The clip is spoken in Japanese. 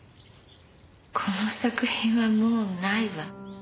この作品はもうないわ。